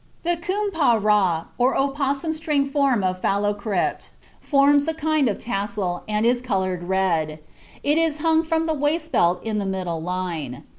The koom pa ra, or opossum string form of phallocrypt, forms a kind of tassel, and is colored red; it is hung from the waist belt in the middle line.